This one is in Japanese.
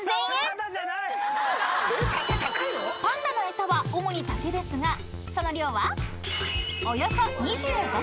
［パンダのエサは主に竹ですがその量はおよそ］えっ